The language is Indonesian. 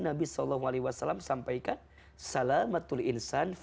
nabi saw sampaikan